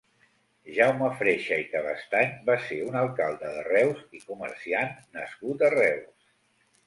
Jaume Freixa i Cabestany va ser un alcalde de Reus i comerciant nascut a Reus.